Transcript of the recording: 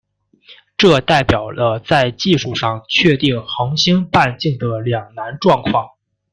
这代表了在技术上确定恒星半径的两难状况。